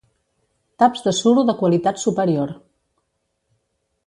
Taps de suro de qualitat superior.